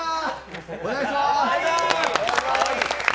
お願いします。